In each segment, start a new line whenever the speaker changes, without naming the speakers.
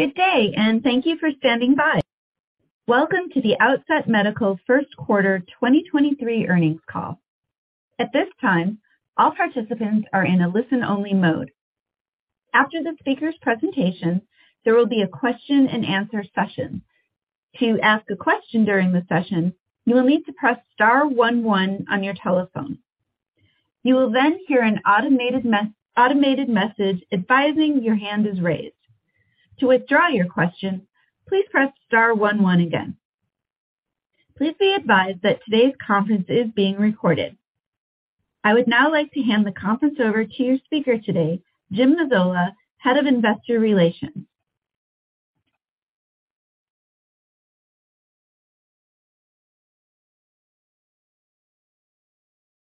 Good day, thank you for standing by. Welcome to the Outset Medical First Quarter 2023 Earnings Call. At this time, all participants are in a listen-only mode. After the speaker's presentation, there will be a question-and-answer session. To ask a question during the session, you will need to press star one-one on your telephone. You will then hear an automated message advising your hand is raised. To withdraw your question, please press star one-one again. Please be advised that today's conference is being recorded. I would now like to hand the conference over to your speaker today, Jim Mazzola, Head of Investor Relations.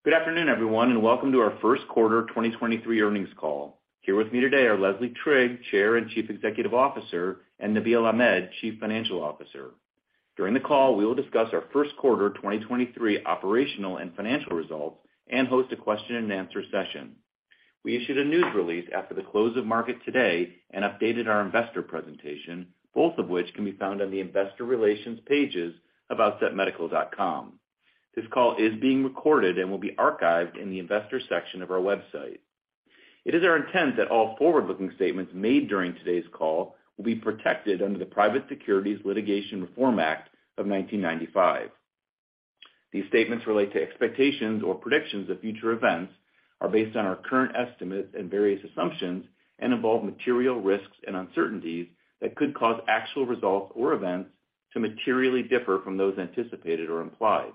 Good afternoon, everyone. Welcome to our first quarter 2023 earnings call. Here with me today are Leslie Trigg, Chair and Chief Executive Officer, and Nabeel Ahmed, Chief Financial Officer. During the call, we will discuss our first quarter 2023 operational and financial results and host a question-and-answer session. We issued a news release after the close of market today and updated our investor presentation, both of which can be found on the investor relations pages of outsetmedical.com. This call is being recorded and will be archived in the investors section of our website. It is our intent that all forward-looking statements made during today's call will be protected under the Private Securities Litigation Reform Act of 1995. These statements relate to expectations or predictions of future events, are based on our current estimates and various assumptions, and involve material risks and uncertainties that could cause actual results or events to materially differ from those anticipated or implied.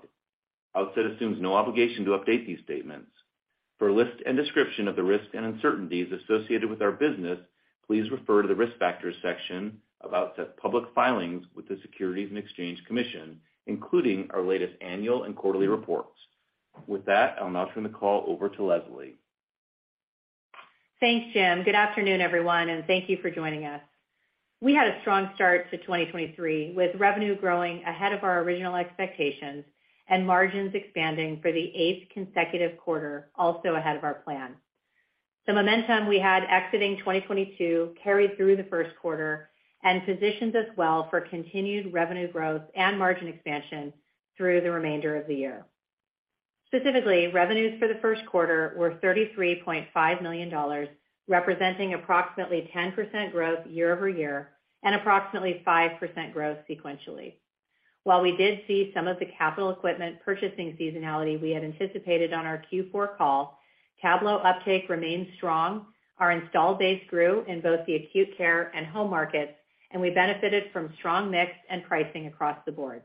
Outset assumes no obligation to update these statements. For a list and description of the risks and uncertainties associated with our business, please refer to the Risk Factors section of Outset's public filings with the Securities and Exchange Commission, including our latest annual and quarterly reports. With that, I'll now turn the call over to Leslie.
Thanks, Jim. Good afternoon, everyone, and thank you for joining us. We had a strong start to 2023, with revenue growing ahead of our original expectations and margins expanding for the eighth consecutive quarter, also ahead of our plan. The momentum we had exiting 2022 carried through the first quarter and positions us well for continued revenue growth and margin expansion through the remainder of the year. Specifically, Revenue for the first quarter was $33.5 million, representing approximately 10% growth year-over-year and approximately 5% growth sequentially. While we did see some of the capital equipment purchasing seasonality we had anticipated on our Q4 call, Tablo uptake remained strong. Our installed base grew in both the acute care and home markets, and we benefited from strong mix and pricing across the board.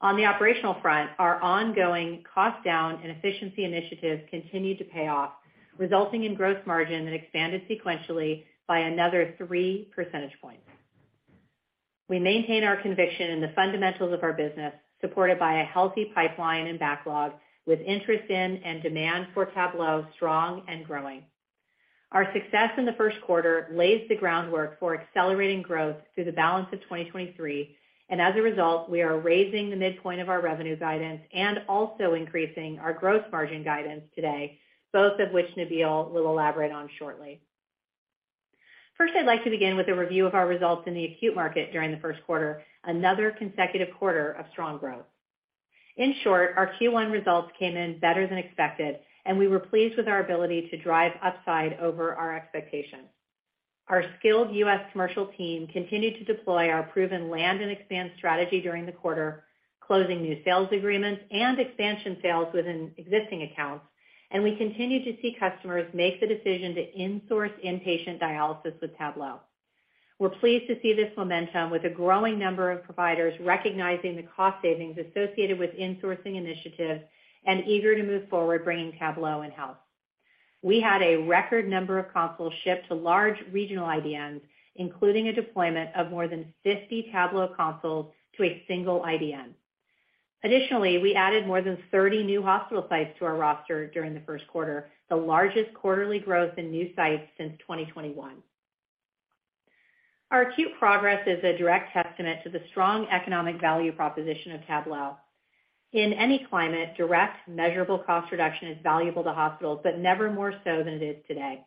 On the operational front, our ongoing cost down and efficiency initiatives continued to pay off, resulting in gross margin that expanded sequentially by another 3 percentage points. We maintain our conviction in the fundamentals of our business, supported by a healthy pipeline and backlog, with interest in and demand for Tablo strong and growing. Our success in the first quarter lays the groundwork for accelerating growth through the balance of 2023. As a result, we are raising the midpoint of our revenue guidance and also increasing our gross margin guidance today, both of which Nabeel will elaborate on shortly. First, I'd like to begin with a review of our results in the acute market during the first quarter, another consecutive quarter of strong growth. In short, our Q1 results came in better than expected. We were pleased with our ability to drive upside over our expectations. Our skilled US commercial team continued to deploy our proven land and expand strategy during the quarter, closing new sales agreements and expansion sales within existing accounts, and we continue to see customers make the decision to insource inpatient dialysis with Tablo. We're pleased to see this momentum with a growing number of providers recognizing the cost savings associated with insourcing initiatives and eager to move forward bringing Tablo in-house. We had a record number of consoles shipped to large regional IDNs, including a deployment of more than 50 Tablo consoles to a single IDN. Additionally, we added more than 30 new hospital sites to our roster during the first quarter, the largest quarterly growth in new sites since 2021. Our acute progress is a direct testament to the strong economic value proposition of Tablo. In any climate, direct measurable cost reduction is valuable to hospitals, but never more so than it is today.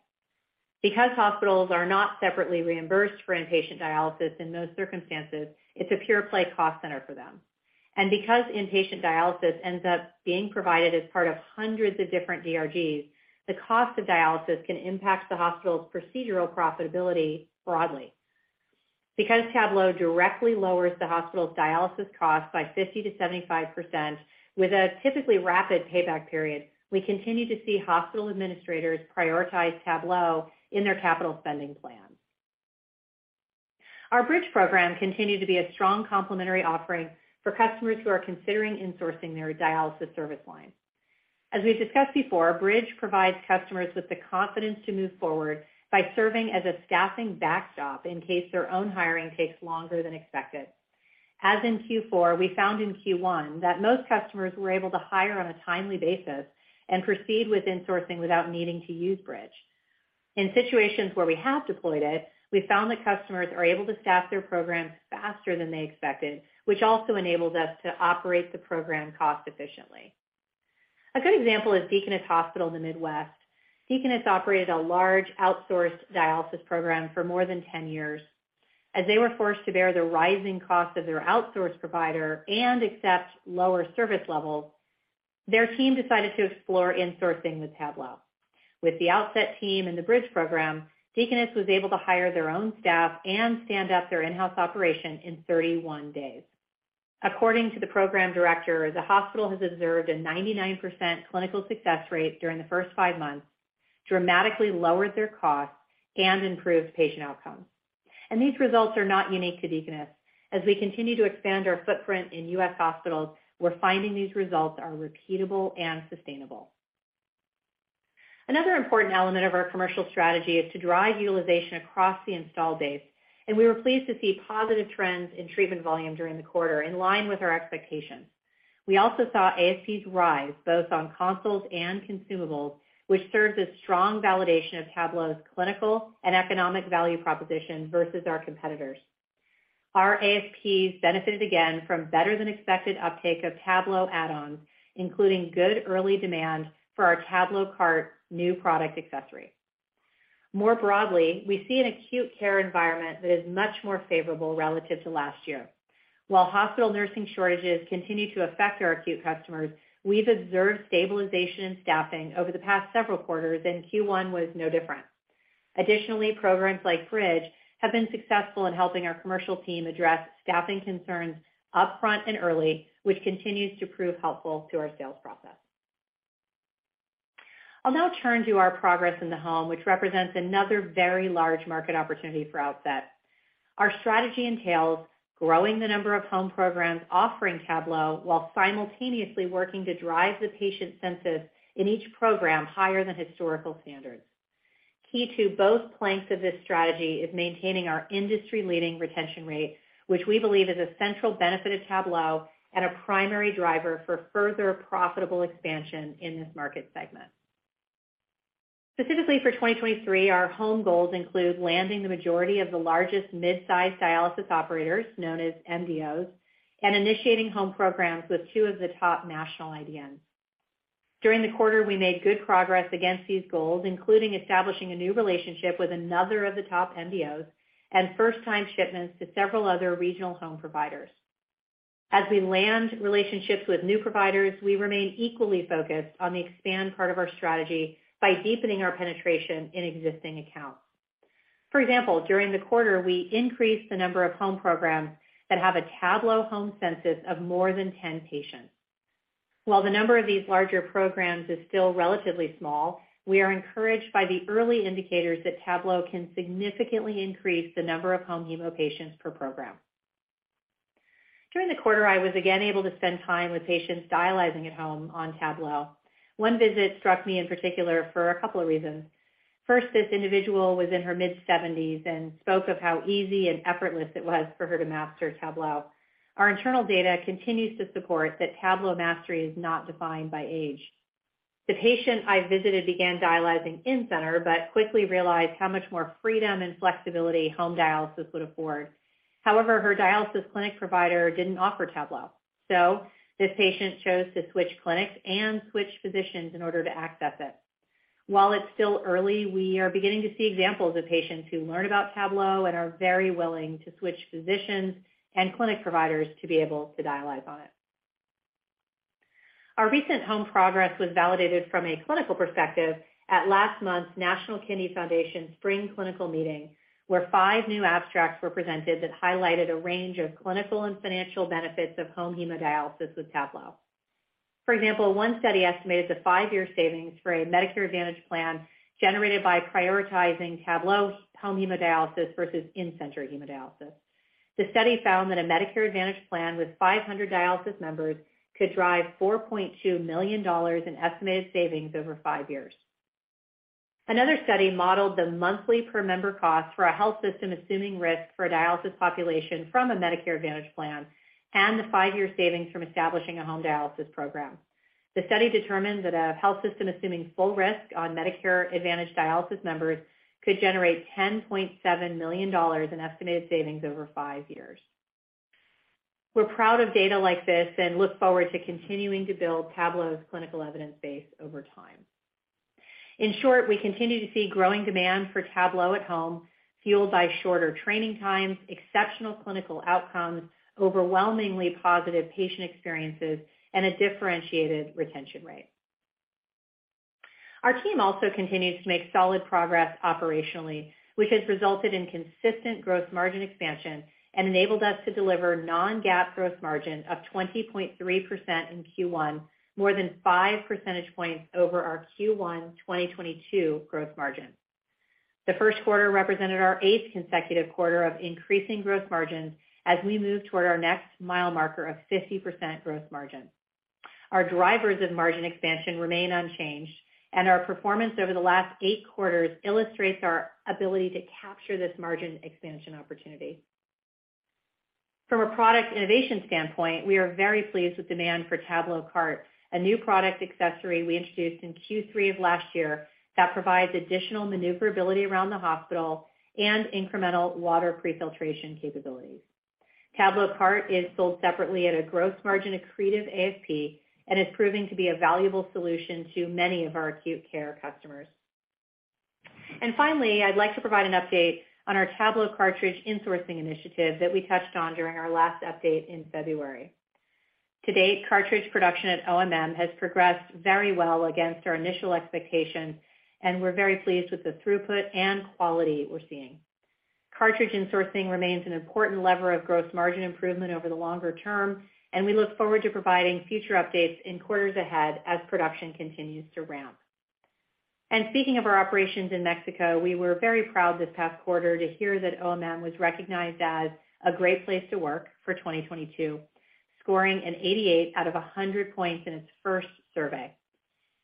Because hospitals are not separately reimbursed for inpatient dialysis in most circumstances, it's a pure play cost center for them. Because inpatient dialysis ends up being provided as part of hundreds of different DRGs, the cost of dialysis can impact the hospital's procedural profitability broadly. Because Tablo directly lowers the hospital's dialysis cost by 50%-75% with a typically rapid payback period, we continue to see hospital administrators prioritize Tablo in their capital spending plans. Our Bridge Program continued to be a strong complementary offering for customers who are considering in-sourcing their dialysis service line. As we've discussed before, Bridge provides customers with the confidence to move forward by serving as a staffing backstop in case their own hiring takes longer than expected. As in Q4, we found in Q1 that most customers were able to hire on a timely basis and proceed with in-sourcing without needing to use Bridge. In situations where we have deployed it, we found that customers are able to staff their programs faster than they expected, which also enables us to operate the program cost efficiently. A good example is Deaconess Hospital in the Midwest. Deaconess operated a large outsourced dialysis program for more than 10 years. They were forced to bear the rising cost of their outsourced provider and accept lower service levels, their team decided to explore in-sourcing with Tablo. The Outset team and the Bridge Program, Deaconess was able to hire their own staff and stand up their in-house operation in 31 days. According to the program director, the hospital has observed a 99% clinical success rate during the first five months, dramatically lowered their costs and improved patient outcomes. These results are not unique to Deaconess. As we continue to expand our footprint in U.S. hospitals, we're finding these results are repeatable and sustainable. Another important element of our commercial strategy is to drive utilization across the install base. We were pleased to see positive trends in treatment volume during the quarter, in line with our expectations. We also saw ASPs rise both on consoles and consumables, which serves as strong validation of Tablo's clinical and economic value proposition versus our competitors. Our ASPs benefited again from better than expected uptake of Tablo add-ons, including good early demand for our TabloCart new product accessory. More broadly, we see an acute care environment that is much more favorable relative to last year. While hospital nursing shortages continue to affect our acute customers, we've observed stabilization in staffing over the past several quarters, and Q1 was no different. Additionally, programs like Bridge have been successful in helping our commercial team address staffing concerns upfront and early, which continues to prove helpful to our sales process. I'll now turn to our progress in the home, which represents another very large market opportunity for Outset. Our strategy entails growing the number of home programs offering Tablo while simultaneously working to drive the patient census in each program higher than historical standards. Key to both planks of this strategy is maintaining our industry-leading retention rate, which we believe is a central benefit of Tablo and a primary driver for further profitable expansion in this market segment. Specifically for 2023, our home goals include landing the majority of the largest Mid-size Dialysis Operators known as MDOs, initiating home programs with two of the top national IDNs. During the quarter, we made good progress against these goals, including establishing a new relationship with another of the top MDOs and first-time shipments to several other regional home providers. As we land relationships with new providers, we remain equally focused on the expand part of our strategy by deepening our penetration in existing accounts. For example, during the quarter, we increased the number of home programs that have a Tablo home census of more than 10 patients. While the number of these larger programs is still relatively small, we are encouraged by the early indicators that Tablo can significantly increase the number of home hemo patients per program. During the quarter, I was again able to spend time with patients dialyzing at home on Tablo. One visit struck me in particular for a couple of reasons. First, this individual was in her mid 70s and spoke of how easy and effortless it was for her to master Tablo. Our internal data continues to support that Tablo mastery is not defined by age. The patient I visited began dialyzing in-center, but quickly realized how much more freedom and flexibility home dialysis would afford. However, her dialysis clinic provider didn't offer Tablo, so this patient chose to switch clinics and switch physicians in order to access it. While it's still early, we are beginning to see examples of patients who learn about Tablo and are very willing to switch physicians and clinic providers to be able to dialyze on it. Our recent home progress was validated from a clinical perspective at last month's National Kidney Foundation Spring Clinical Meeting, where 5 new abstracts were presented that highlighted a range of clinical and financial benefits of home hemodialysis with Tablo. For example, one study estimated the five year savings for a Medicare Advantage plan generated by prioritizing Tablo home hemodialysis versus in-center hemodialysis. The study found that a Medicare Advantage plan with 500 dialysis members could drive $4.2 million in estimated savings over five years. Another study modeled the monthly per member cost for a health system assuming risk for a dialysis population from a Medicare Advantage plan and the five year savings from establishing a home dialysis program. The study determined that a health system assuming full risk on Medicare Advantage dialysis members could generate $10.7 million in estimated savings over five years. We're proud of data like this and look forward to continuing to build Tablo's clinical evidence base over time. In short, we continue to see growing demand for Tablo at home, fueled by shorter training times, exceptional clinical outcomes, overwhelmingly positive patient experiences, and a differentiated retention rate. Our team also continues to make solid progress operationally, which has resulted in consistent gross margin expansion and enabled us to deliver non-GAAP gross margin of 20.3% in Q1, more than five percentage points over our Q1 2022 gross margin. The first quarter represented our eighth consecutive quarter of increasing gross margins as we move toward our next mile marker of 50% gross margin. Our drivers of margin expansion remain unchanged, and our performance over the last eight quarters illustrates our ability to capture this margin expansion opportunity. From a product innovation standpoint, we are very pleased with demand for TabloCart, a new product accessory we introduced in Q3 of last year that provides additional maneuverability around the hospital and incremental water prefiltration capabilities. TabloCart is sold separately at a gross margin accretive ASP and is proving to be a valuable solution to many of our acute care customers. Finally, I'd like to provide an update on our Tablo cartridge insourcing initiative that we touched on during our last update in February. To date, cartridge production at OMM has progressed very well against our initial expectations, and we're very pleased with the throughput and quality we're seeing. Cartridge insourcing remains an important lever of gross margin improvement over the longer term, and we look forward to providing future updates in quarters ahead as production continues to ramp. Speaking of our operations in Mexico, we were very proud this past quarter to hear that OMM was recognized as a Great Place To Work for 2022, scoring an 88 out of 100 points in its first survey.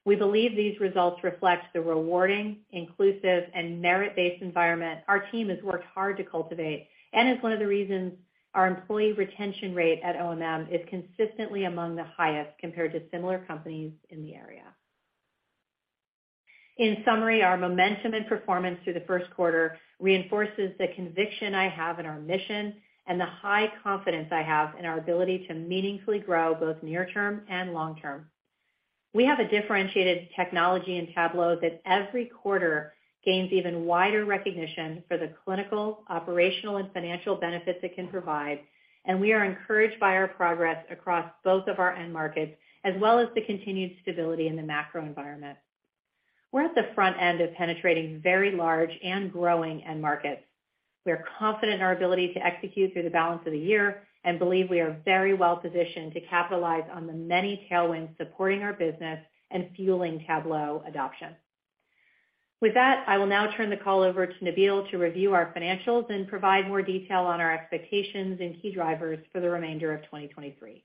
We believe these results reflect the rewarding, inclusive, and merit-based environment our team has worked hard to cultivate, and it's one of the reasons our employee retention rate at OMM is consistently among the highest compared to similar companies in the area. In summary, our momentum and performance through the first quarter reinforces the conviction I have in our mission and the high confidence I have in our ability to meaningfully grow both near term and long term. We have a differentiated technology in Tablo that every quarter gains even wider recognition for the clinical, operational, and financial benefits it can provide. We are encouraged by our progress across both of our end markets, as well as the continued stability in the macro environment. We're at the front end of penetrating very large and growing end markets. We are confident in our ability to execute through the balance of the year and believe we are very well-positioned to capitalize on the many tailwinds supporting our business and fueling Tablo adoption. With that, I will now turn the call over to Nabeel to review our financials and provide more detail on our expectations and key drivers for the remainder of 2023.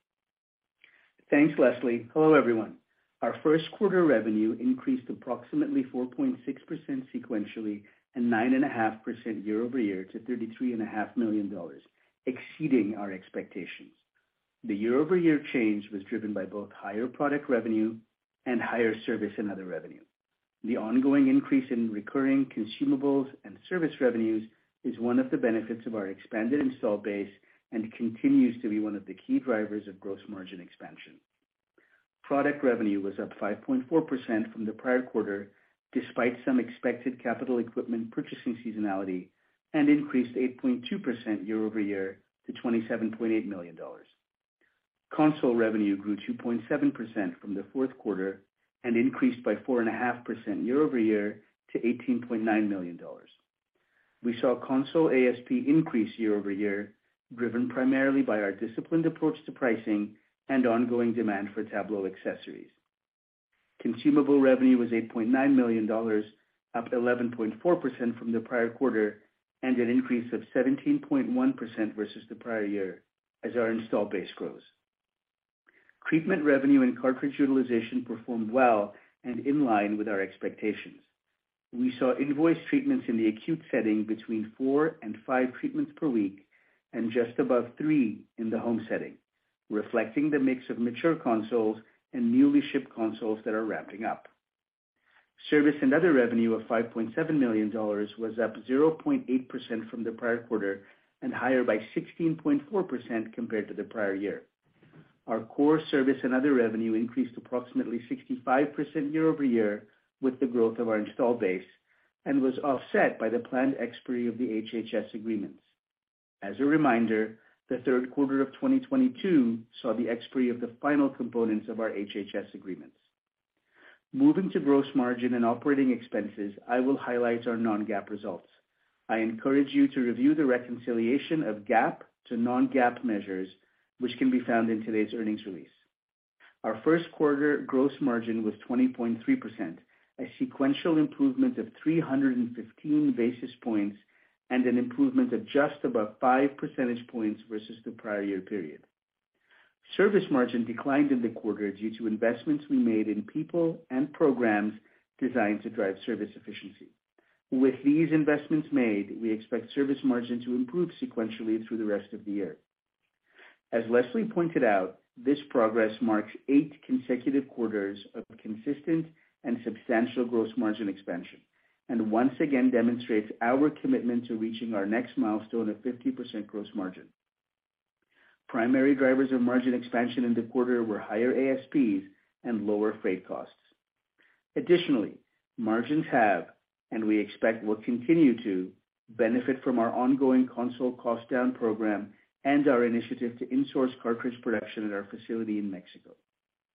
Thanks, Leslie. Hello, everyone. Our first quarter revenue increased approximately 4.6% sequentially and 9.5% year-over-year to $33.5 million, exceeding our expectations. The year-over-year change was driven by both higher product revenue and higher service and other revenue. The ongoing increase in recurring consumables and service revenues is one of the benefits of our expanded install base and continues to be one of the key drivers of gross margin expansion. Product revenue was up 5.4% from the prior quarter, despite some expected capital equipment purchasing seasonality, and increased 8.2% year-over-year to $27.8 million. Console revenue grew 2.7% from the fourth quarter and increased by 4.5% year-over-year to $18.9 million. We saw console ASP increase year-over-year, driven primarily by our disciplined approach to pricing and ongoing demand for Tablo accessories. Consumable revenue was $8.9 million, up 11.4% from the prior quarter and an increase of 17.1% versus the prior year as our install base grows. Treatment revenue and cartridge utilization performed well and in line with our expectations. We saw invoice treatments in the acute setting between four and five treatments per week and just above three in the home setting, reflecting the mix of mature consoles and newly shipped consoles that are ramping up. Service and other revenue of $5.7 million was up 0.8% from the prior quarter and higher by 16.4% compared to the prior year. Our core service and other revenue increased approximately 65% year-over-year with the growth of our install base and was offset by the planned expiry of the HHS agreements. As a reminder, the third quarter of 2022 saw the expiry of the final components of our HHS agreements. Moving to gross margin and operating expenses, I will highlight our non-GAAP results. I encourage you to review the reconciliation of GAAP to non-GAAP measures, which can be found in today's earnings release. Our first quarter gross margin was 20.3%, a sequential improvement of 315 basis points and an improvement of just above 5 percentage points versus the prior year period. Service margin declined in the quarter due to investments we made in people and programs designed to drive service efficiency. With these investments made, we expect service margin to improve sequentially through the rest of the year. As Leslie pointed out, this progress marks eight consecutive quarters of consistent and substantial gross margin expansion and once again demonstrates our commitment to reaching our next milestone of 50% gross margin. Primary drivers of margin expansion in the quarter were higher ASPs and lower freight costs. Additionally, margins have, and we expect will continue to, benefit from our ongoing console cost down program and our initiative to insource cartridge production at our facility in Mexico.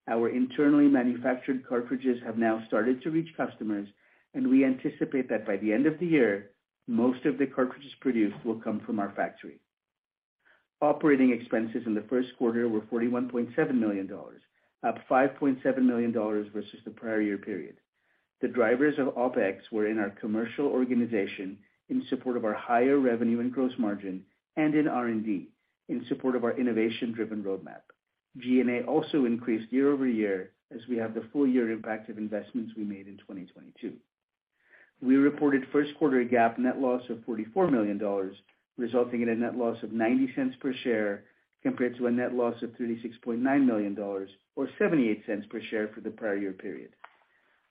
Our internally manufactured cartridges have now started to reach customers, and we anticipate that by the end of the year, most of the cartridges produced will come from our factory. Operating expenses in the first quarter were $41.7 million, up $5.7 million versus the prior year period. The drivers of OpEx were in our commercial organization in support of our higher revenue and gross margin and in R&D in support of our innovation-driven roadmap. G&A also increased year-over-year as we have the full year impact of investments we made in 2022. We reported first quarter GAAP net loss of $44 million, resulting in a net loss of $0.90 per share compared to a net loss of $36.9 million or $0.78 per share for the prior year period.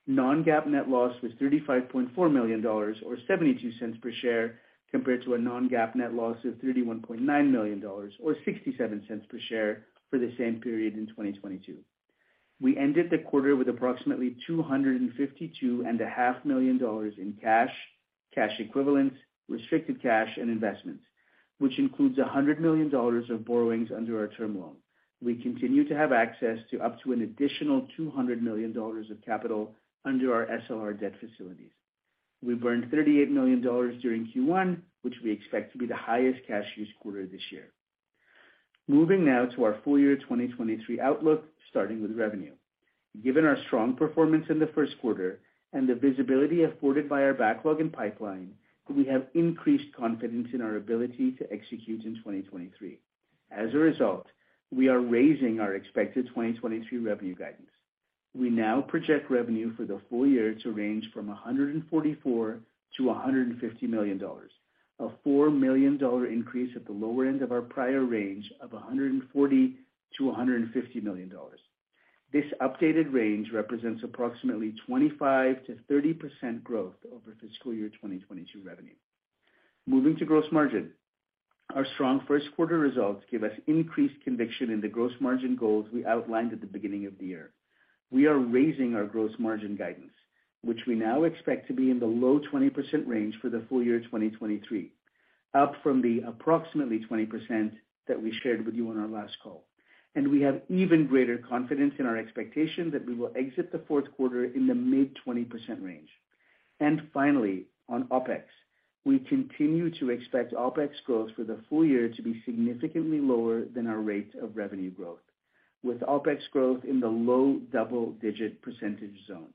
Non-GAAP net loss was $35.4 million or $0.72 per share compared to a non-GAAP net loss of $31.9 million or $0.67 per share for the same period in 2022. We ended the quarter with approximately $252.5 million in cash equivalents, restricted cash and investments, which includes $100 million of borrowings under our term loan. We continue to have access to up to an additional $200 million of capital under our SLR debt facilities. We burned $38 million during Q1, which we expect to be the highest cash use quarter this year. Moving now to our full year 2023 outlook, starting with revenue. Given our strong performance in the first quarter and the visibility afforded by our backlog and pipeline, we have increased confidence in our ability to execute in 2023. As a result, we are raising our expected 2023 revenue guidance. We now project revenue for the full year to range from $144 million to $150 million, a $4 million increase at the lower end of our prior range of $140 million-$150 million. This updated range represents approximately 25%-30% growth over fiscal year 2022 revenue. Moving to gross margin. Our strong first quarter results give us increased conviction in the gross margin goals we outlined at the beginning of the year. We are raising our gross margin guidance, which we now expect to be in the low 20% range for the full year 2023, up from the approximately 20% that we shared with you on our last call. We have even greater confidence in our expectation that we will exit the fourth quarter in the mid-20% range. Finally, on OpEx. We continue to expect OpEx growth for the full year to be significantly lower than our rate of revenue growth, with OpEx growth in the low double-digit percentage zone.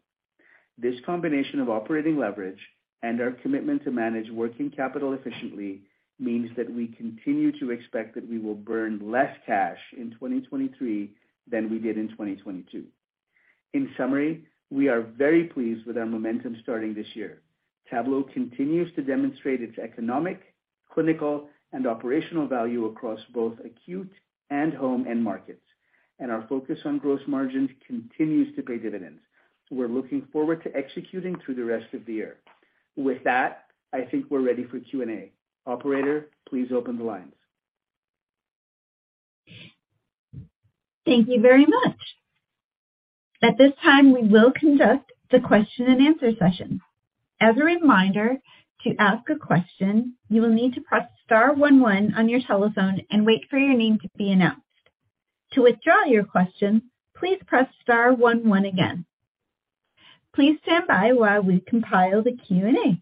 This combination of operating leverage and our commitment to manage working capital efficiently means that we continue to expect that we will burn less cash in 2023 than we did in 2022. In summary, we are very pleased with our momentum starting this year. Tablo continues to demonstrate its economic, clinical and operational value across both acute and home end markets, and our focus on gross margin continues to pay dividends. We're looking forward to executing through the rest of the year. With that, I think we're ready for Q&A. Operator, please open the lines.
Thank you very much. At this time, we will conduct the question-and-answer session. As a reminder, to ask a question, you will need to press star one one on your telephone and wait for your name to be announced. To withdraw your question, please press star one one again. Please stand by while we compile the Q&A.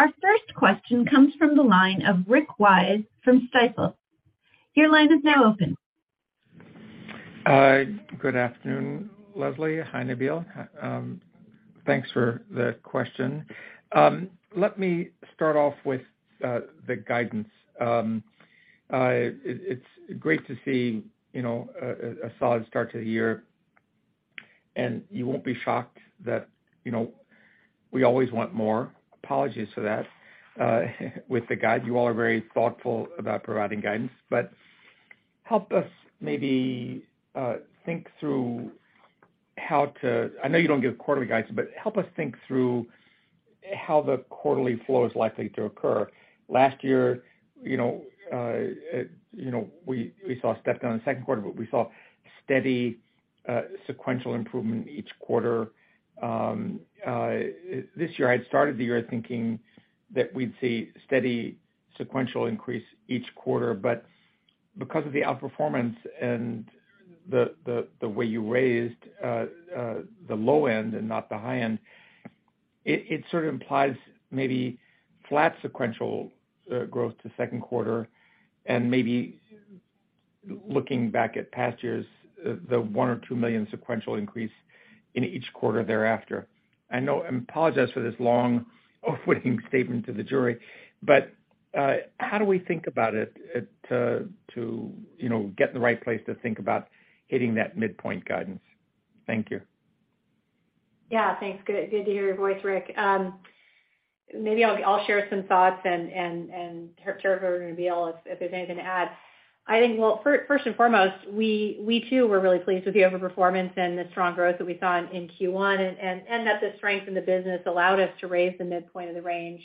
Our first question comes from the line of Rick Wise from Stifel. Your line is now open.
Good afternoon, Leslie. Hi, Nabeel. Thanks for the question. Let me start off with the guidance. It's great to see, you know, a solid start to the year, and you won't be shocked that, we always want more. Apologies for that with the guide. You all are very thoughtful about providing guidance. Help us maybe think through. I know you don't give quarterly guidance, but help us think through how the quarterly flow is likely to occur. Last year, you know, we saw a step down in the second quarter, but we saw steady sequential improvement each quarter. This year, I'd started the year thinking that we'd see steady sequential increase each quarter. Because of the outperformance and the way you raised the low end and not the high end, it sort of implies maybe flat sequential growth to second quarter and maybe looking back at past years, the $1 million or $2 million sequential increase in each quarter thereafter. I know, and apologize for this long opening statement to the jury, how do we think about it, to, you know, get in the right place to think about hitting that midpoint guidance? Thank you.
Yeah. Thanks. Good, good to hear your voice, Rick. Maybe I'll share some thoughts and hear from Nabeel if there's anything to add. I think, well, first and foremost, we too were really pleased with the overperformance and the strong growth that we saw in Q1 and that the strength in the business allowed us to raise the midpoint of the range,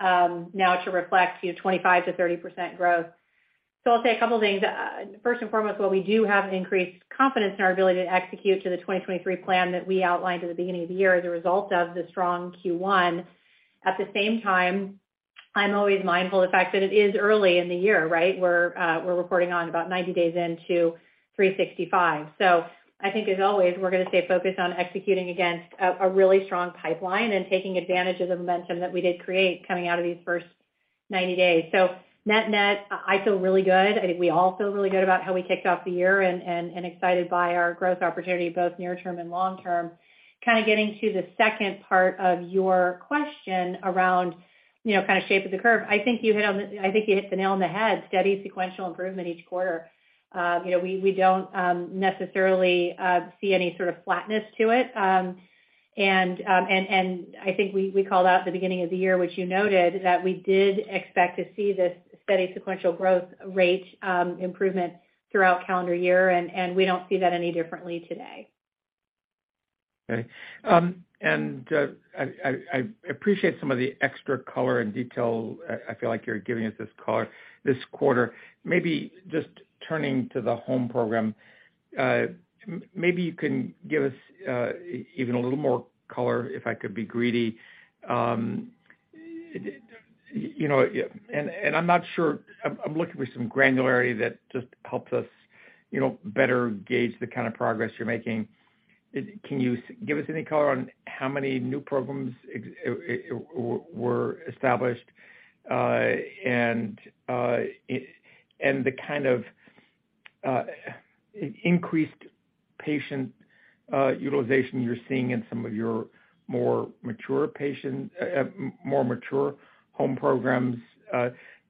now to reflect, you know, 25%-30% growth. I'll say a couple things. First and foremost, while we do have an increased confidence in our ability to execute to the 2023 plan that we outlined at the beginning of the year as a result of the strong Q1, at the same time, I'm always mindful of the fact that it is early in the year, right? We're reporting on about 90 days into 365. I think as always, we're gonna stay focused on executing against a really strong pipeline and taking advantage of the momentum that we did create coming out of these first 90 days. Net-net, I feel really good. I think we all feel really good about how we kicked off the year and excited by our growth opportunity, both near term and long term. Kind of getting to the second part of your question around, you know, kind of shape of the curve. I think you hit the nail on the head, steady sequential improvement each quarter. You know, we don't necessarily see any sort of flatness to it. I think we called out at the beginning of the year, which you noted, that we did expect to see this steady sequential growth rate improvement throughout calendar year, and we don't see that any differently today.
Okay. I appreciate some of the extra color and detail I feel like you're giving us this quarter. Maybe just turning to the home program, maybe you can give us even a little more color, if I could be greedy. You know, I'm not sure. I'm looking for some granularity that just helps us, you know, better gauge the kind of progress you're making. Can you give us any color on how many new programs were established, and the kind of increased patient utilization you're seeing in some of your more mature patient, more mature home programs?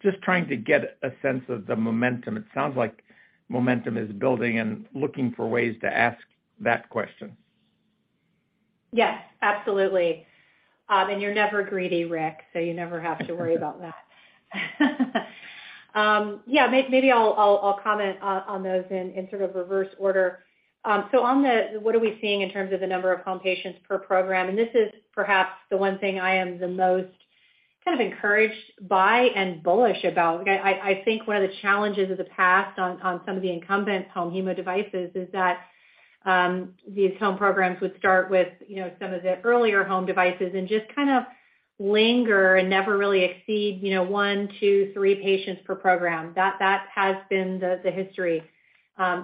Just trying to get a sense of the momentum. It sounds like momentum is building and looking for ways to ask that question.
Yes, absolutely. You're never greedy, Rick, so you never have to worry about that. Yeah, maybe I'll comment on those in sort of reverse order. On the what are we seeing in terms of the number of home patients per program, and this is perhaps the one thing I am the most kind of encouraged by and bullish about. I think one of the challenges of the past on some of the incumbent home hemo devices is that these home programs would start with, you know, some of the earlier home devices and just kind of linger and never really exceed, you know, 1, 2, 3 patients per program. That has been the history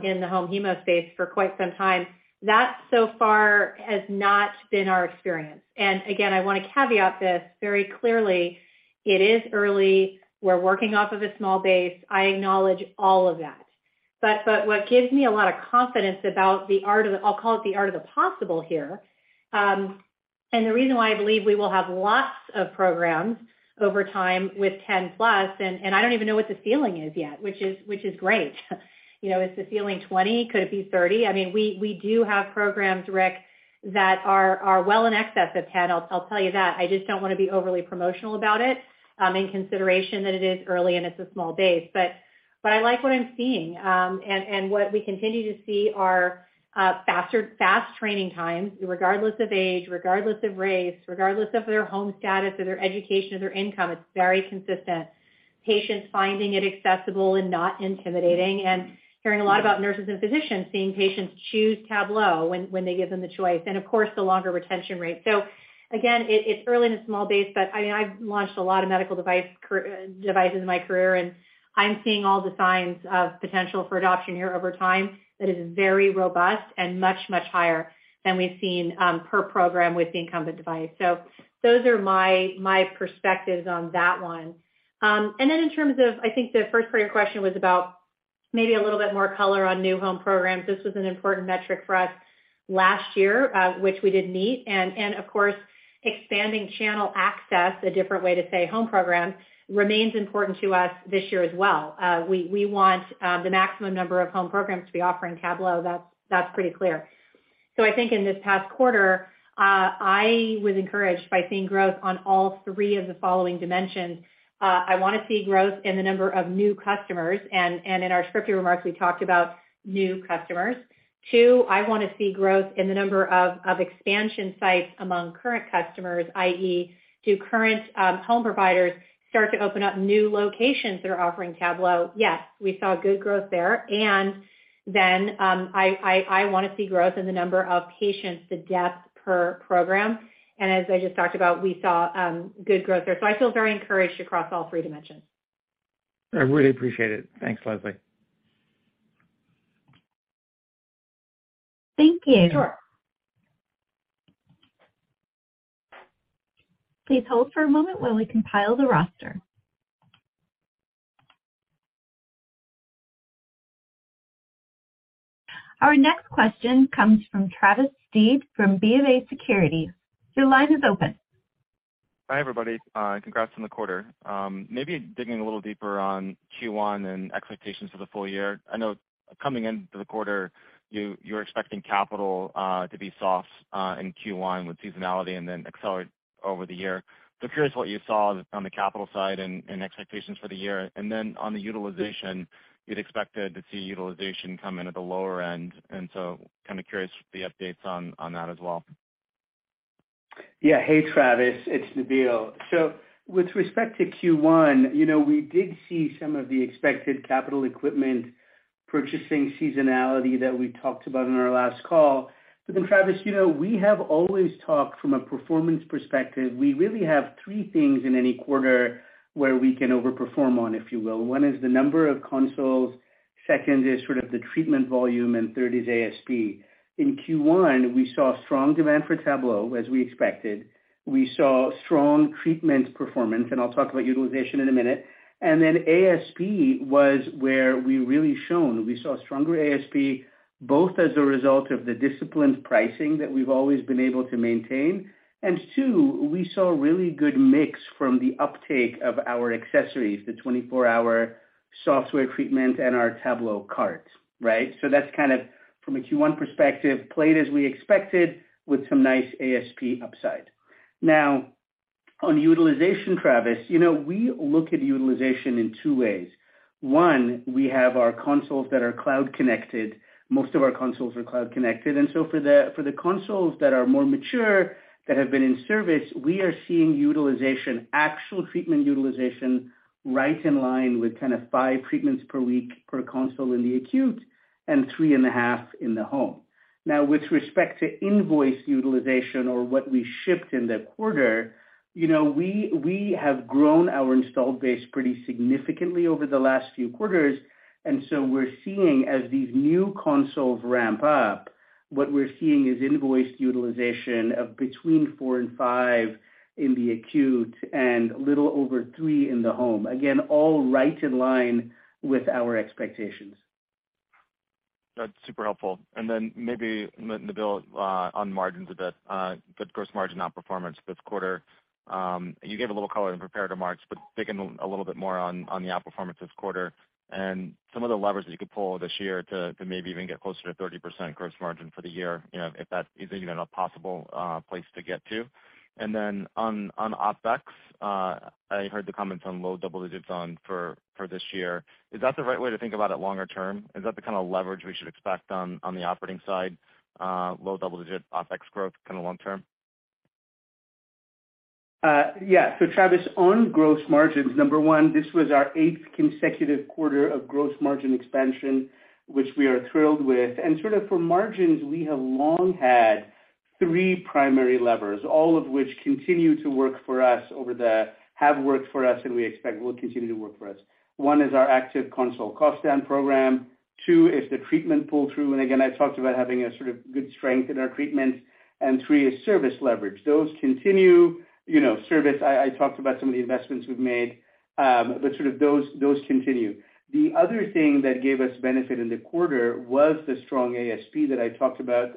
in the home hemo space for quite some time. That so far has not been our experience. Again, I wanna caveat this very clearly. It is early. We're working off of a small base. I acknowledge all of that. What gives me a lot of confidence about the art of, I'll call it the art of the possible here, and the reason why I believe we will have lots of programs over time with 10 plus, and I don't even know what the ceiling is yet, which is great. You know, is the ceiling 20? Could it be 30? I mean, we do have programs, Rick, that are well in excess of 10. I'll tell you that. I just don't wanna be overly promotional about it, in consideration that it is early and it's a small base. I like what I'm seeing. What we continue to see are faster, fast training times regardless of age, regardless of race, regardless of their home status or their education or their income. It's very consistent. Patients finding it accessible and not intimidating, and hearing a lot about nurses and physicians seeing patients choose Tablo when they give them the choice and of course, the longer retention rate. Again, it's early in a small base, but I mean, I've launched a lot of medical devices in my career, and I'm seeing all the signs of potential for adoption here over time that is very robust and much, much higher than we've seen per program with the incumbent device. Those are my perspectives on that one. Then in terms of, I think the first part of your question was about maybe a little bit more color on new home programs. This was an important metric for us last year, which we did meet. Of course, expanding channel access, a different way to say home program remains important to us this year as well. We want the maximum number of home programs to be offering Tablo. That's pretty clear. I think in this past quarter, I was encouraged by seeing growth on all three of the following dimensions. I wanna see growth in the number of new customers. In our scripted remarks, we talked about new customers. Two, I wanna see growth in the number of expansion sites among current customers, i.e to current home providers start to open up new locations that are offering Tablo? Yes, we saw good growth there. I wanna see growth in the number of patients to depth per program. As I just talked about, we saw good growth there. I feel very encouraged across all three dimensions.
I really appreciate it. Thanks, Leslie.
Thank you.
Sure.
Please hold for a moment while we compile the roster. Our next question comes from Travis Steed from BofA Securities. Your line is open.
Hi, everybody. Congrats on the quarter. Maybe digging a little deeper on Q1 and expectations for the full year. I know coming into the quarter you're expecting capital to be soft in Q1 with seasonality and then accelerate over the year. Curious what you saw on the capital side and expectations for the year? On the utilization, you'd expected to see utilization come in at the lower end, kind of curious the updates on that as well?
Yeah. Hey, Travis. It's Nabeel. With respect to Q1, you know, we did see some of the expected capital equipment purchasing seasonality that we talked about on our last call. Travis, you know, we have always talked from a performance perspective. We really have three things in any quarter where we can overperform on, if you will, one is the number of consoles, second is sort of the treatment volume, and third is ASP. In Q1, we saw strong demand for Tablo as we expected. We saw strong treatment performance, I'll talk about utilization in a minute. ASP was where we really shone. We saw stronger ASP, both as a result of the disciplined pricing that we've always been able to maintain. 2, we saw really good mix from the uptake of our accessories, the 24-hour Software treatment and our TabloCart, right? That's kind of from a Q1 perspective, played as we expected with some nice ASP upside. Now on utilization, Travis, you know, we look at utilization in two ways. One, we have our consoles that are cloud-connected. Most of our consoles are cloud-connected. For the consoles that are more mature, that have been in service, we are seeing utilization, actual treatment utilization right in line with kind of 5 treatments per week per console in the acute and 3.5 in the home. With respect to invoice utilization or what we shipped in the quarter, you know, we have grown our installed base pretty significantly over the last few quarters. We're seeing as these new consoles ramp up, what we're seeing is invoice utilization between four and five in the acute setting and a little over three in the home. All right in line with our expectations.
That's super helpful. Then maybe, Nabeel, on margins a bit, the gross margin outperformance this quarter. You gave a little color in prepared remarks, but digging a little bit more on the outperformance this quarter and some of the levers that you could pull this year to maybe even get closer to 30% gross margin for the year, you know, if that is even a possible place to get to. Then on OpEx, I heard the comments on low double digits on for this year. Is that the right way to think about it longer term? Is that the kind of leverage we should expect on the operating side, low double-digit OpEx growth kind of long term?
Yeah. Travis, on gross margins, number one, this was our eighth consecutive quarter of gross margin expansion, which we are thrilled with. Sort of for margins, we have long had three primary levers, all of which continue to work for us have worked for us and we expect will continue to work for us. One is our active console cost down program. Two is the treatment pull-through. Again, I talked about having a sort of good strength in our treatment. Three is service leverage. Those continue. You know, service, I talked about some of the investments we've made, but sort of those continue. The other thing that gave us benefit in the quarter was the strong ASP that I talked about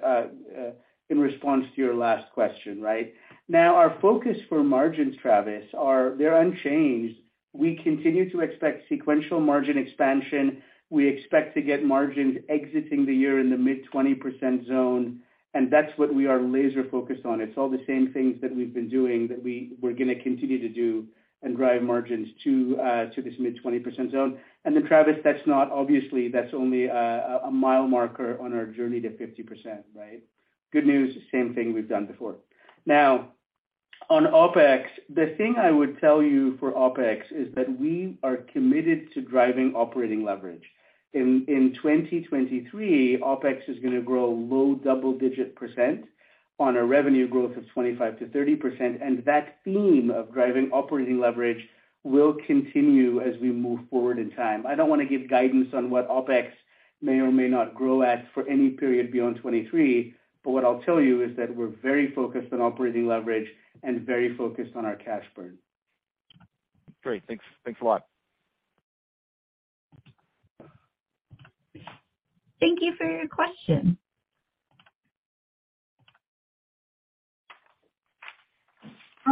in response to your last question, right? Our focus for margins, Travis, are they're unchanged. We continue to expect sequential margin expansion. We expect to get margins exiting the year in the mid-20% zone. That's what we are laser focused on. It's all the same things that we've been doing that we're gonna continue to do and drive margins to this mid-20% zone. Travis, that's not obviously that's only a mile marker on our journey to 50%, right? Good news, same thing we've done before. Now on OpEx, the thing I would tell you for OpEx is that we are committed to driving operating leverage. In 2023, OpEx is gonna grow low double-digit percentage on a revenue growth of 25%-30%, and that theme of driving operating leverage will continue as we move forward in time.I don't wanna give guidance on what OpEx may or may not grow at for any period beyond 2023, but what I'll tell you is that we're very focused on operating leverage and very focused on our cash burn.
Great. Thanks. Thanks a lot.
Thank you for your question.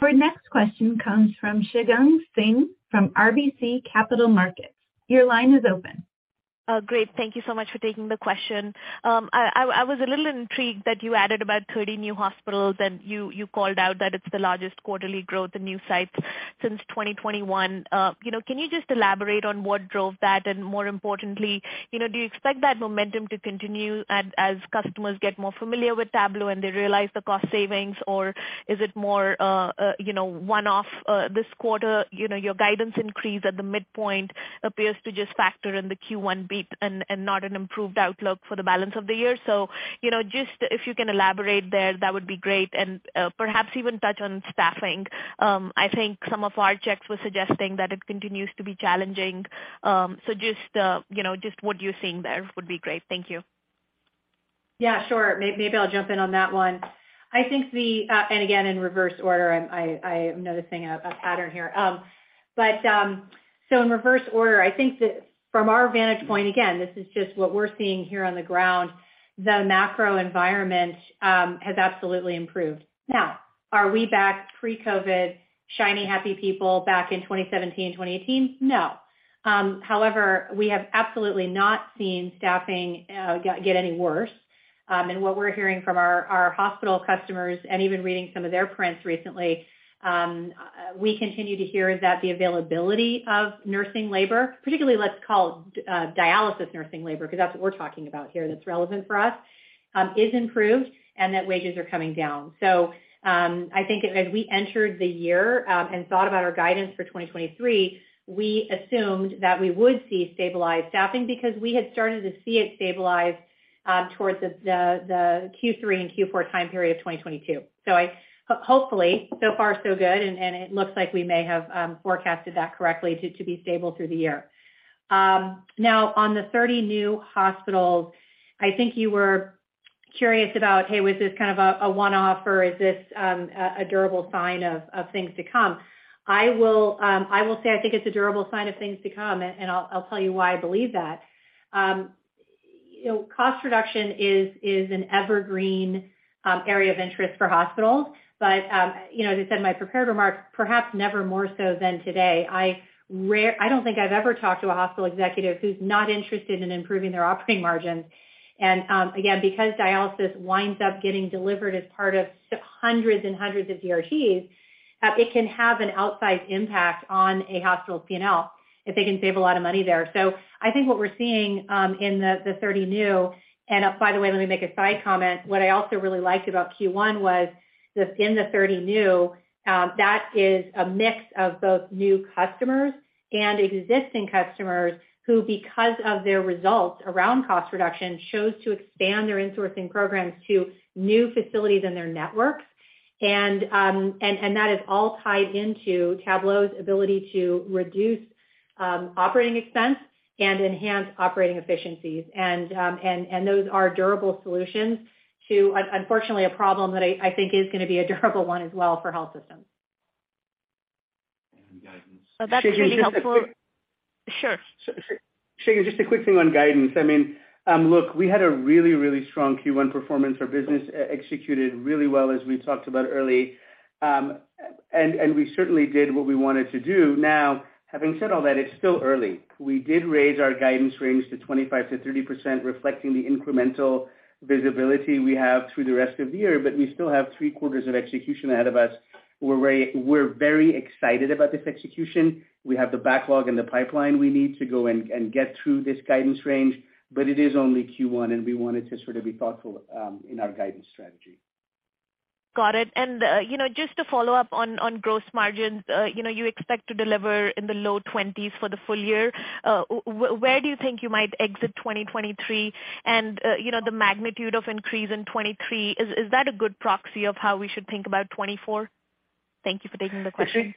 Our next question comes from Shagun Singh from RBC Capital Markets. Your line is open.
Great. Thank you so much for taking the question. I was a little intrigued that you added about 30 new hospitals and you called out that it's the largest quarterly growth in new sites since 2021. You know, can you just elaborate on what drove that? More importantly, you know, do you expect that momentum to continue as customers get more familiar with Tablo, and they realize the cost savings? Or is it more, you know, one-off, this quarter? You know, your guidance increase at the midpoint appears to just factor in the Q1 beat and not an improved outlook for the balance of the year. You know, just if you can elaborate there, that would be great. Perhaps even touch on staffing.I think some of our checks were suggesting that it continues to be challenging. Just what you're seeing there would be great. Thank you.
Yeah, sure. Maybe I'll jump in on that one. I think the, again, in reverse order, I am noticing a pattern here. In reverse order, I think from our vantage point, again, this is just what we're seeing here on the ground. The macro environment has absolutely improved. Are we back pre-COVID, shiny happy people back in 2017, 2018? No. We have absolutely not seen staffing get any worse. What we're hearing from our hospital customers and even reading some of their prints recently, we continue to hear is that the availability of nursing labor, particularly let's call dialysis nursing labor, because that's what we're talking about here that's relevant for us, is improved and that wages are coming down. I think as we entered the year and thought about our guidance for 2023, we assumed that we would see stabilized staffing because we had started to see it stabilize towards the Q3 and Q4 time period of 2022. Hopefully, so far so good, and it looks like we may have forecasted that correctly to be stable through the year. Now on the 30 new hospitals, I think you were curious about, hey, was this kind of a one-off or is this a durable sign of things to come? I will say I think it's a durable sign of things to come, and I'll tell you why I believe that. You know, cost reduction is an evergreen area of interest for hospitals. You know, as I said in my prepared remarks, perhaps never more so than today. I don't think I've ever talked to a hospital executive who's not interested in improving their operating margins. Again, because dialysis winds up getting delivered as part of hundreds and hundreds of DRGs, it can have an outsized impact on a hospital's P&L if they can save a lot of money there. I think what we're seeing in the 30 new and by the way, let me make a side comment. What I also really liked about Q1 was that in the 30 new, that is a mix of both new customers and existing customers who, because of their results around cost reduction, chose to expand their insourcing programs to new facilities in their networks. That is all tied into Tablo's ability to reduce OpEx and enhance operating efficiencies. Those are durable solutions to unfortunately, a problem that I think is gonna be a durable one as well for health systems.
That's really helpful.
Sure.
Shagun, just a quick thing on guidance. I mean, look, we had a really, really strong Q1 performance. Our business executed really well as we talked about early. And we certainly did what we wanted to do. Having said all that, it's still early. We did raise our guidance range to 25%-30%, reflecting the incremental visibility we have through the rest of the year. We still have three quarters of execution ahead of us. We're very excited about this execution. We have the backlog and the pipeline we need to go and get through this guidance range. It is only Q1. We wanted to sort of be thoughtful in our guidance strategy.
Got it. You know, just to follow up on gross margins. You know, you expect to deliver in the low 20s for the full year. Where do you think you might exit 2023? You know, the magnitude of increase in 2023, is that a good proxy of how we should think about 2024? Thank you for taking the question.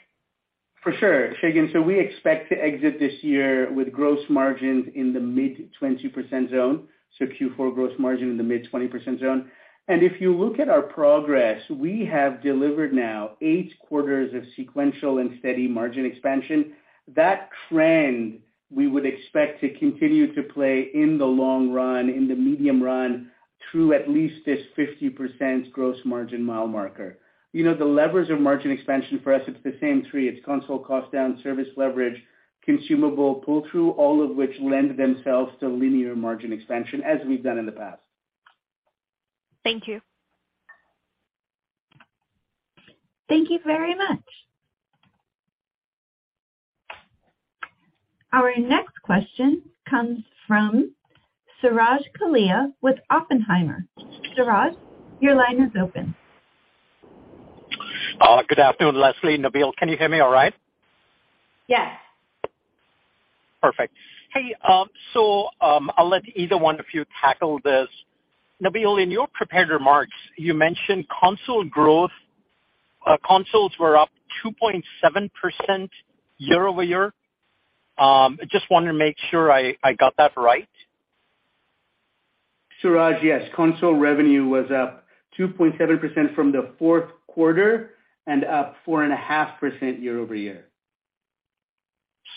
For sure, Shagun. We expect to exit this year with gross margins in the mid-20% zone, so Q4 gross margin in the mid-20% zone. If you look at our progress, we have delivered now 8 quarters of sequential and steady margin expansion. That trend we would expect to continue to play in the long run, in the medium run, through at least this 50% gross margin mile marker. You know, the levers of margin expansion for us, it's the same 3. It's console cost down, service leverage, consumable pull-through, all of which lend themselves to linear margin expansion as we've done in the past.
Thank you.
Thank you very much. Our next question comes from Suraj Kalia with Oppenheimer. Suraj, your line is open.
Good afternoon, Leslie and Nabeel. Can you hear me all right?
Yes.
Perfect. Hey, I'll let either one of you tackle this. Nabeel, in your prepared remarks, you mentioned console growth. Consoles were up 2.7% year-over-year. Just wanted to make sure I got that right.
Suraj, yes. Console revenue was up 2.7% from the fourth quarter and up 4.5% year-over-year.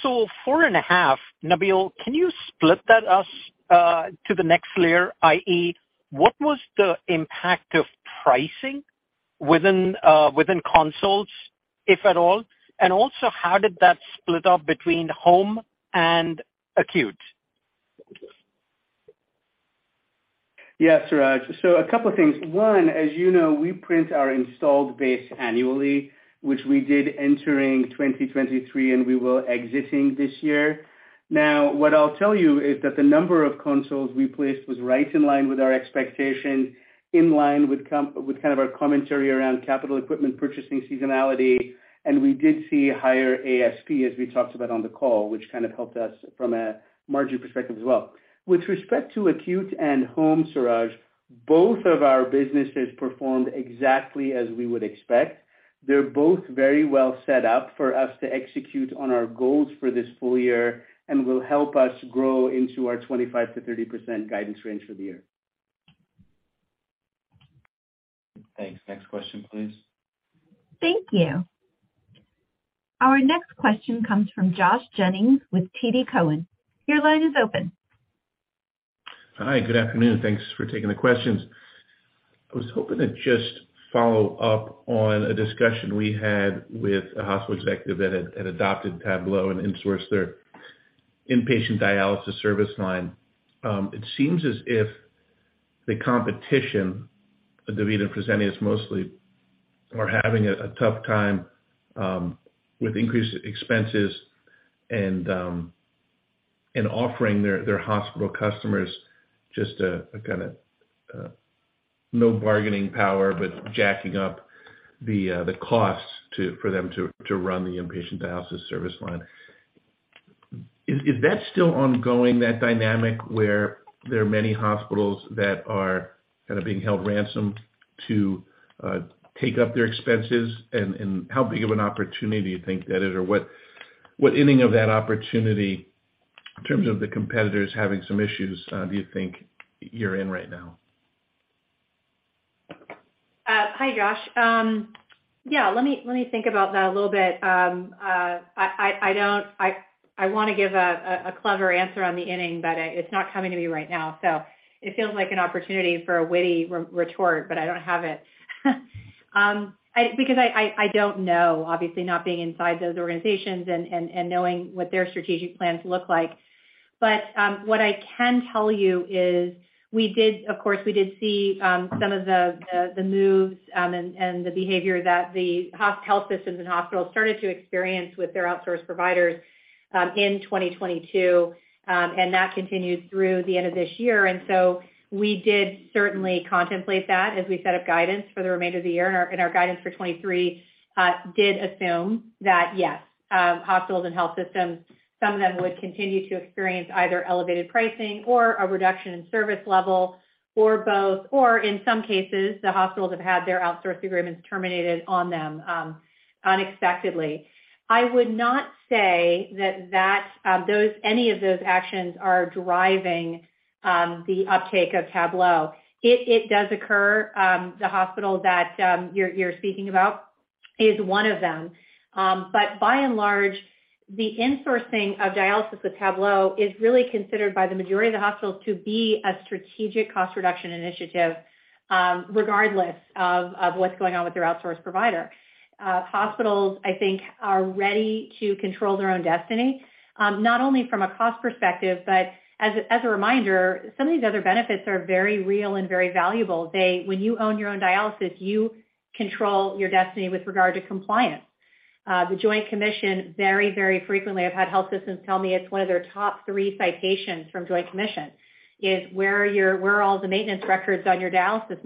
4.5. Nabeel, can you split that us to the next layer, i.e., what was the impact of pricing within consoles, if at all? And also how did that split up between home and acute?
Suraj. A couple of things. One, as you know, we print our installed base annually, which we did entering 2023, and we will exiting this year. What I'll tell you is that the number of consoles we placed was right in line with our expectation, in line with kind of our commentary around capital equipment purchasing seasonality. We did see higher ASP, as we talked about on the call, which kind of helped us from a margin perspective as well. With respect to acute and home, Suraj, both of our businesses performed exactly as we would expect. They're both very well set up for us to execute on our goals for this full year and will help us grow into our 25%-30% guidance range for the year. Thanks. Next question, please.
Thank you. Our next question comes from Josh Jennings with TD Cowen. Your line is open.
Hi, good afternoon. Thanks for taking the questions. I was hoping to just follow up on a discussion we had with a hospital executive that had adopted Tablo and insourced their inpatient dialysis service line. It seems as if the competition, DaVita and Fresenius mostly, are having a tough time with increased expenses and offering their hospital customers just a kinda no bargaining power, but jacking up the costs for them to run the inpatient dialysis service line. Is that still ongoing, that dynamic where there are many hospitals that are kind of being held ransom to take up their expenses? How big of an opportunity do you think that is? What inning of that opportunity in terms of the competitors having some issues, do you think you're in right now?
Hi, Josh. Yeah, let me, let me think about that a little bit. I wanna give a clever answer on the inning, but it's not coming to me right now. It feels like an opportunity for a witty retort, but I don't have it. Because I, I don't know, obviously, not being inside those organizations and, and knowing what their strategic plans look like. What I can tell you is we did, of course, we did see some of the, the moves, and the behavior that the health systems and hospitals started to experience with their outsourced providers in 2022. That continued through the end of this year. We did certainly contemplate that as we set up guidance for the remainder of the year. Our guidance for 23 did assume that, yes, hospitals and health systems, some of them would continue to experience either elevated pricing or a reduction in service level, or both, or in some cases, the hospitals have had their outsourced agreements terminated on them unexpectedly. I would not say that any of those actions are driving the uptake of Tablo. It does occur, the hospital that you're speaking about is one of them. But by and large, the insourcing of dialysis with Tablo is really considered by the majority of the hospitals to be a strategic cost reduction initiative, regardless of what's going on with their outsourced provider. Hospitals, I think, are ready to control their own destiny, not only from a cost perspective, but as a, as a reminder, some of these other benefits are very real and very valuable. When you own your own dialysis, you control your destiny with regard to compliance. The Joint Commission, very frequently, I've had health systems tell me it's one of their top three citations from Joint Commission, is where are all the maintenance records on your dialysis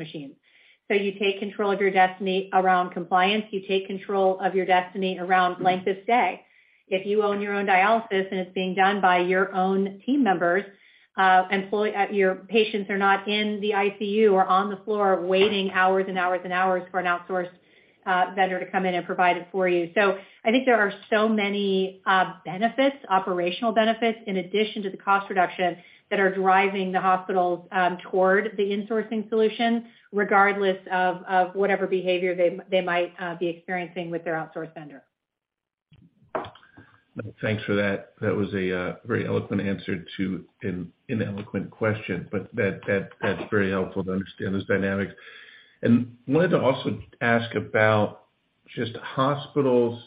machine? You take control of your destiny around compliance, you take control of your destiny around length of stay. If you own your own dialysis and it's being done by your own team members, your patients are not in the ICU or on the floor waiting hours and hours and hours for an outsourced vendor to come in and provide it for you. I think there are so many benefits, operational benefits in addition to the cost reduction that are driving the hospitals toward the insourcing solution, regardless of whatever behavior they might be experiencing with their outsourced vendor.
Thanks for that. That was a very eloquent answer to an ineloquent question, but that's very helpful to understand those dynamics. Wanted to also ask about just hospitals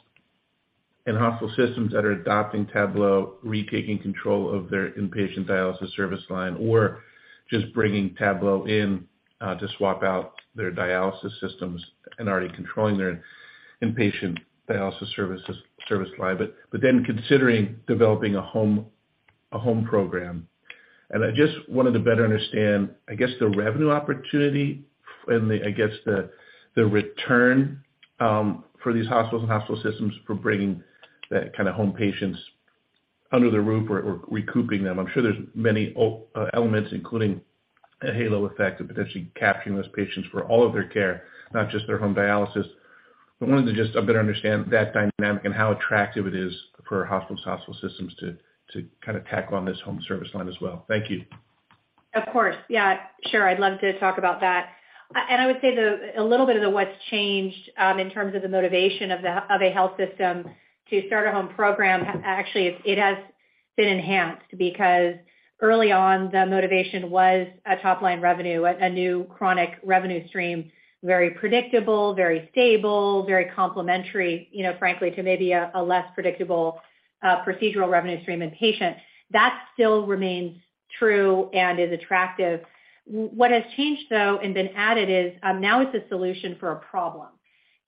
and hospital systems that are adopting Tablo, retaking control of their inpatient dialysis service line, or just bringing Tablo in to swap out their dialysis systems and already controlling their inpatient dialysis service line. Then considering developing a home program. I just wanted to better understand, I guess, the revenue opportunity and the, I guess the return for these hospitals and hospital systems for bringing that kind of home patients under the roof or recouping them. I'm sure there's many elements, including a halo effect of potentially capturing those patients for all of their care, not just their home dialysis.I wanted to just better understand that dynamic and how attractive it is for hospitals, hospital systems to kind of tack on this home service line as well. Thank you.
Of course. Yeah, sure. I'd love to talk about that. I would say a little bit of the what's changed, in terms of the motivation of a health system to start a home program, actually, it has been enhanced because early on, the motivation was a top-line revenue, a new chronic revenue stream, very predictable, very stable, very complementary, you know, frankly, to maybe a less predictable, procedural revenue stream inpatient. That still remains true and is attractive. What has changed, though, and been added is, now it's a solution for a problem.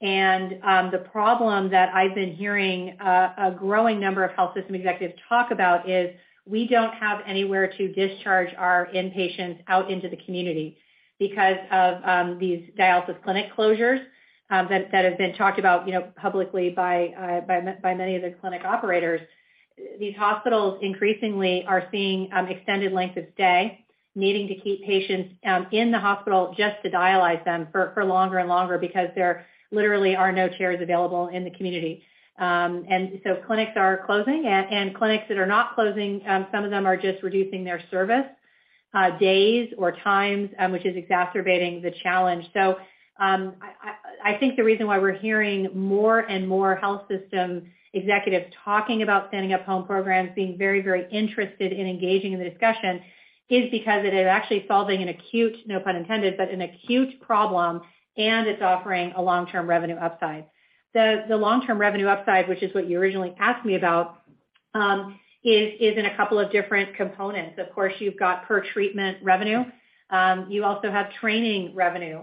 The problem that I've been hearing, a growing number of health system executives talk about is we don't have anywhere to discharge our inpatients out into the community because of these dialysis clinic closures that have been talked about, you know, publicly by many of the clinic operators. These hospitals increasingly are seeing extended length of stay, needing to keep patients in the hospital just to dialyze them for longer and longer because there literally are no chairs available in the community. Clinics are closing and clinics that are not closing, some of them are just reducing their service days or times, which is exacerbating the challenge. I think the reason why we're hearing more and more health system executives talking about standing up home programs, being very, very interested in engaging in the discussion is because it is actually solving an acute (no pun intended) but an acute problem, and it's offering a long-term revenue upside. The long-term revenue upside, which is what you originally asked me about, is in a couple of different components. Of course, you've got per treatment revenue. You also have training revenue.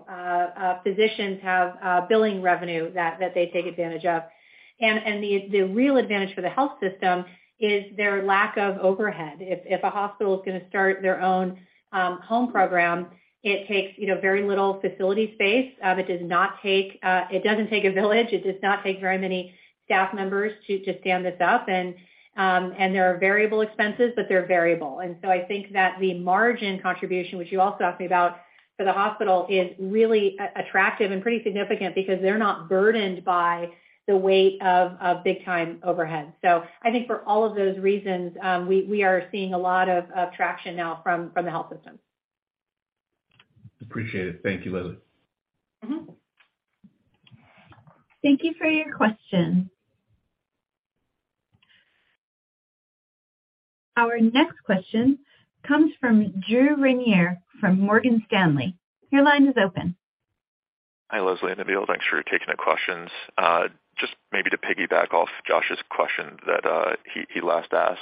Physicians have billing revenue that they take advantage of. The real advantage for the health system is their lack of overhead. If a hospital is gonna start their own home program, it takes, you know, very little facility space. It does not take, it doesn't take a village. It does not take very many staff members to stand this up. There are variable expenses, but they're variable. I think that the margin contribution, which you also asked me about for the hospital, is really attractive and pretty significant because they're not burdened by the weight of big time overhead. I think for all of those reasons, we are seeing a lot of traction now from the health system.
Appreciate it. Thank you, Leslie.
Thank you for your question. Our next question comes from Drew Ranieri from Morgan Stanley. Your line is open.
Hi, Leslie and Nabeel. Thanks for taking the questions. Just maybe to piggyback off Josh's question that he last asked.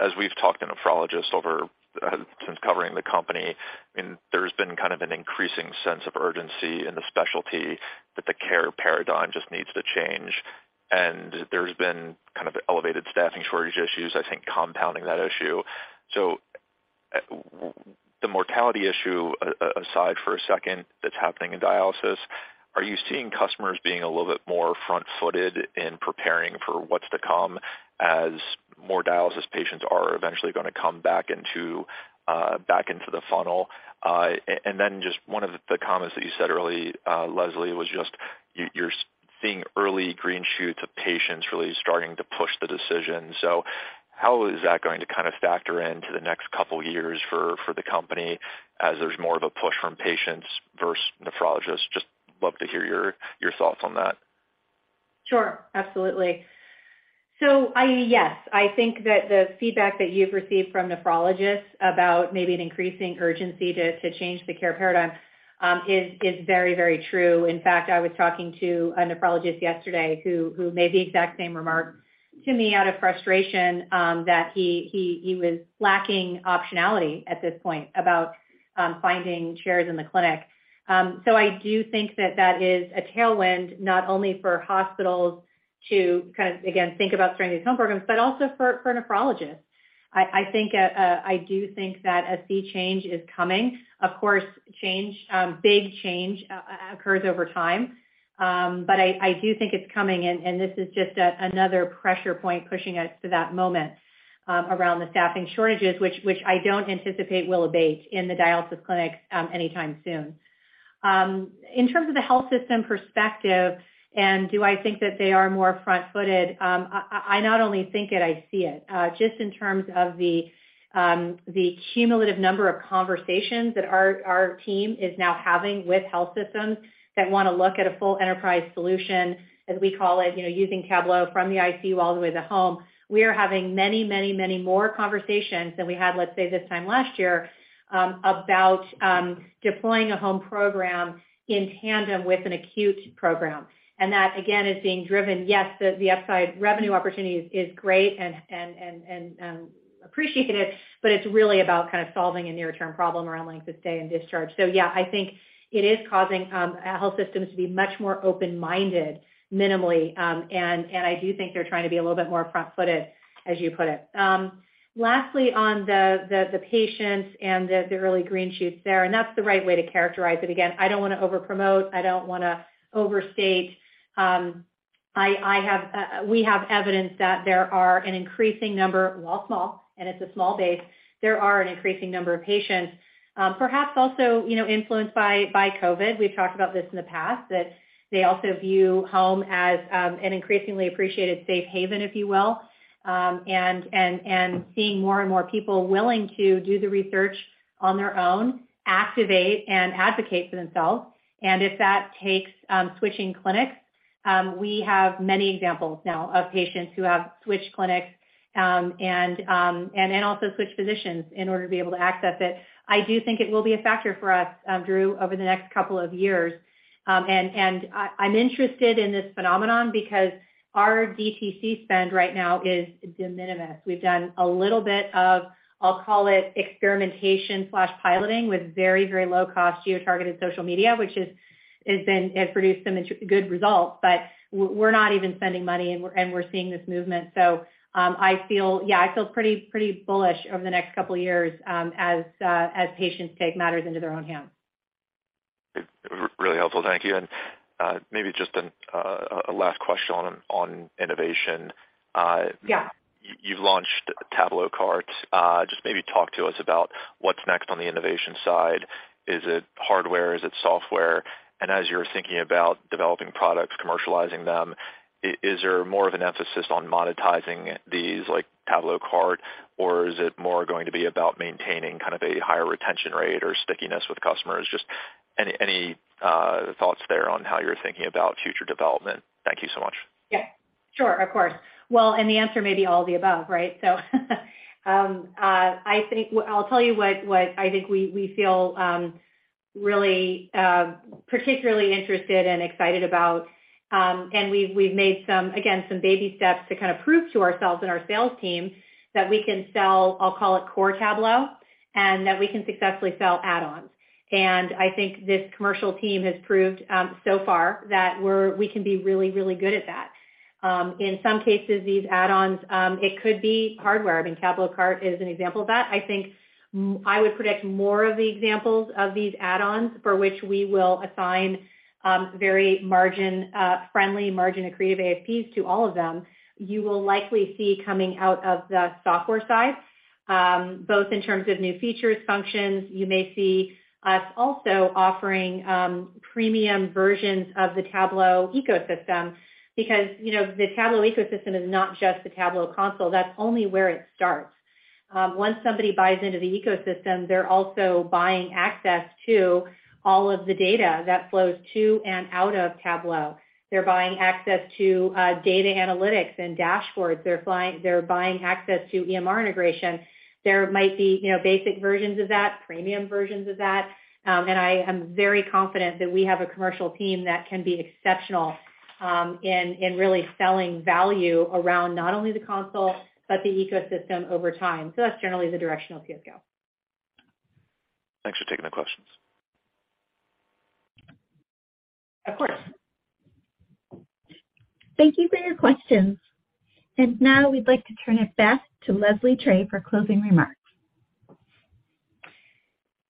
As we've talked to nephrologists over since covering the company, I mean, there's been kind of an increasing sense of urgency in the specialty that the care paradigm just needs to change. There's been kind of elevated staffing shortage issues, I think compounding that issue. The mortality issue aside for a second that's happening in dialysis, are you seeing customers being a little bit more front-footed in preparing for what's to come as more dialysis patients are eventually gonna come back into back into the funnel? Just one of the comments that you said earlier, Leslie, was just you're seeing early green shoots of patients really starting to push the decision. How is that going to kind of factor into the next couple years for the company as there's more of a push from patients versus nephrologists? Just love to hear your thoughts on that.
Sure. Absolutely. Yes, I think that the feedback that you've received from nephrologists about maybe an increasing urgency to change the care paradigm, is very, very true. In fact, I was talking to a nephrologist yesterday who made the exact same remark to me out of frustration, that he was lacking optionality at this point about finding chairs in the clinic. I do think that that is a tailwind not only for hospitals to kind of, again, think about starting these home programs, but also for nephrologists. I think I do think that a sea change is coming. Of course, change, big change occurs over time. I do think it's coming and this is just another pressure point pushing us to that moment around the staffing shortages, which I don't anticipate will abate in the dialysis clinics anytime soon. In terms of the health system perspective and do I think that they are more front-footed? I not only think it, I see it. Just in terms of the cumulative number of conversations that our team is now having with health systems that wanna look at a full enterprise solution, as we call it, you know, using Tablo from the ICU all the way to home. We are having many more conversations than we had, let's say, this time last year, about deploying a home program in tandem with an acute program. That, again, is being driven, yes, the upside revenue opportunity is great and appreciating it, but it's really about kind of solving a near-term problem around length of stay and discharge. Yeah, I think it is causing health systems to be much more open-minded minimally. I do think they're trying to be a little bit more front-footed, as you put it. Lastly, on the patients and the early green shoots there, that's the right way to characterize it. Again, I don't wanna over-promote, I don't wanna overstate. I have we have evidence that there are an increasing number, while small, and it's a small base, there are an increasing number of patients, perhaps also, you know, influenced by COVID. We've talked about this in the past, that they also view home as an increasingly appreciated safe haven, if you will. Seeing more and more people willing to do the research on their own, activate and advocate for themselves. If that takes switching clinics, we have many examples now of patients who have switched clinics, and also switched physicians in order to be able to access it. I do think it will be a factor for us, Drew, over the next couple of years. I'm interested in this phenomenon because our DTC spend right now is de minimis. We've done a little bit of, I'll call it experimentation/piloting with very, very low cost geotargeted social media, which has produced some good results. We're not even spending money and we're, and we're seeing this movement. I feel, yeah, I feel pretty bullish over the next couple of years, as patients take matters into their own hands.
Really helpful. Thank you. Maybe just a last question on innovation.
Yeah.
You've launched TabloCart. Just maybe talk to us about what's next on the innovation side. Is it hardware? Is it software? As you're thinking about developing products, commercializing them, is there more of an emphasis on monetizing these, like TabloCart, or is it more going to be about maintaining kind of a higher retention rate or stickiness with customers? Just any thoughts there on how you're thinking about future development. Thank you so much.
Yeah, sure. Of course. The answer may be all of the above, right? I'll tell you what I think we feel really particularly interested and excited about. We've made some, again, some baby steps to kind of prove to ourselves and our sales team that we can sell, I'll call it core Tablo, and that we can successfully sell add-ons. I think this commercial team has proved so far that we can be really, really good at that. In some cases, these add-ons, it could be hardware. I mean, TabloCart is an example of that. I think I would predict more of the examples of these add-ons for which we will assign very margin friendly margin accretive AFPs to all of them. You will likely see coming out of the software side, both in terms of new features, functions. You may see us also offering premium versions of the Tablo ecosystem because, you know, the Tablo ecosystem is not just the Tablo console, that's only where it starts. Once somebody buys into the ecosystem, they're also buying access to all of the data that flows to and out of Tablo. They're buying access to data analytics and dashboards. They're buying access to EMR integration. There might be, you know, basic versions of that, premium versions of that. And I am very confident that we have a commercial team that can be exceptional in really selling value around not only the console but the ecosystem over time. That's generally the direction I'll see us go.
Thanks for taking the questions.
Of course.
Thank you for your questions. Now we'd like to turn it back to Leslie Trigg for closing remarks.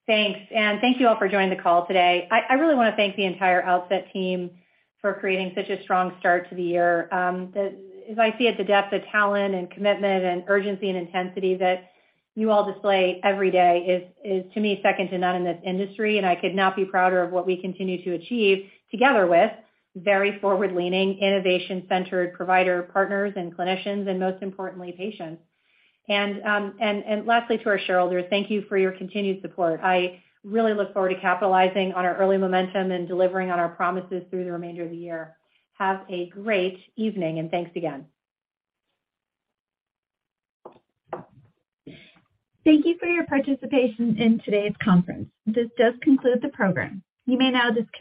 Thanks, thank you all for joining the call today. I really wanna thank the entire Outset team for creating such a strong start to the year. If I see it, the depth of talent and commitment and urgency and intensity that you all display every day is to me second to none in this industry, I could not be prouder of what we continue to achieve together with very forward-leaning, innovation-centered provider partners and clinicians and, most importantly, patients. Lastly, to our shareholders, thank you for your continued support. I really look forward to capitalizing on our early momentum and delivering on our promises through the remainder of the year. Have a great evening, thanks again.
Thank you for your participation in today's conference. This does conclude the program. You may now disconnect.